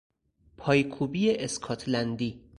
پایکوبی اسکاتلندی